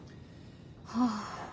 はあ。